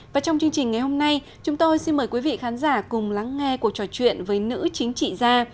và trong chương trình ngày hôm nay chúng tôi xin mời quý vị khán giả cùng lắng nghe cuộc trò chuyện với nữ chính trị gia